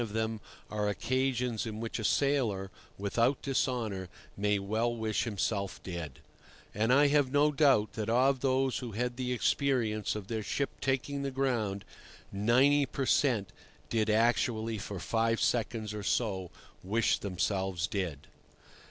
of them are occasions in which a sailor, without dishonour, may well wish himself dead; and I have no doubt that of those who had the experience of their ship taking the ground, 90 per cent. did actually for five seconds or so wish themselves dead.